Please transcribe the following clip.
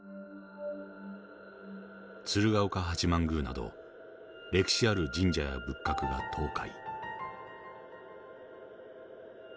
鶴岡八幡宮など歴史ある神社や仏閣が倒壊。